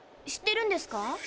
知ってるんですか？